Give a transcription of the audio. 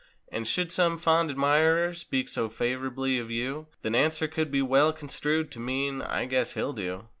And should some fond admirer speak so favor'bly of you— The answer could be well construed to mean—"I guess he'll do!"